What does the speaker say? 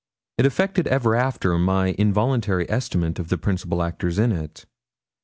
It affected ever after my involuntary estimate of the principal actors in it.